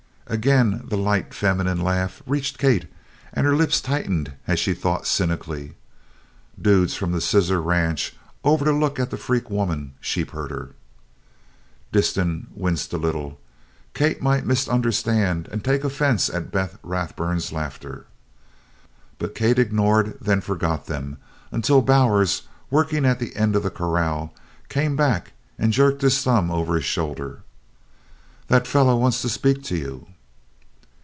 Again the light feminine laugh reached Kate and her lips tightened as she thought cynically: "Dudes from the Scissor Ranch over to look at the freak woman sheepherder." Disston winced a little. Kate might misunderstand and take offense at Beth Rathburn's laughter. But Kate ignored, then forgot them, until Bowers, working at that end of the corral, came back and jerked his thumb over his shoulder: "That feller wants to speak to you."